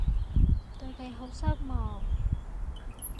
對你好失望